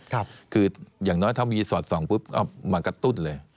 คืออย่างน้อยถ้ามีสอดส่องปุ๊บเอามากระตุ้นเลย